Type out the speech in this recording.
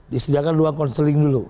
disediakan ruang konseling dulu